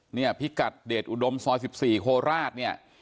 เนี้ยพิกัสเดชอุดมซอยสิบสี่โคลราตเนี้ย